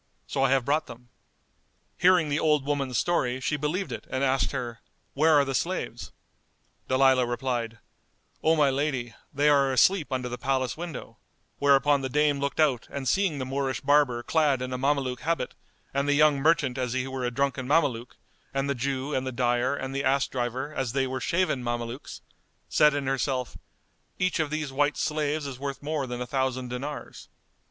So I have brought them." Hearing the old woman's story she believed it and asked her, "Where are the slaves?" Dalilah replied, "O my lady, they are asleep under the palace window"; whereupon the dame looked out and seeing the Moorish barber clad in a Mameluke habit and the young merchant as he were a drunken Mameluke[FN#204] and the Jew and the dyer and the ass driver as they were shaven Mamelukes, said in herself, "Each of these white slaves is worth more than a thousand dinars."